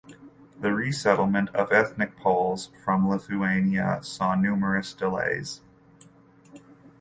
The resettlement of ethnic Poles from Lithuania saw numerous delays.